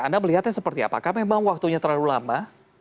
anda melihatnya seperti apakah memang waktunya terlalu lama